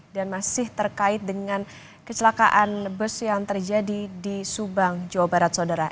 dan masih terkait dengan kecelakaan bus yang terjadi di subang jawa barat saudara